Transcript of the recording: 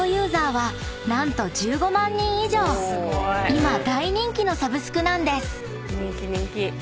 ［今大人気のサブスクなんです］